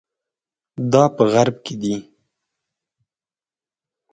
دا په غرب کې دي.